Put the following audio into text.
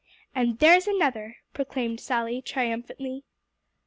"And there's another," proclaimed Sally triumphantly.